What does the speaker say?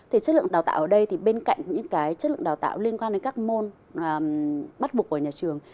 thì chất lượng đào tạo ở đây thì bên cạnh những cái chất lượng đào tạo liên quan đến các môn bắt buộc của nhà trường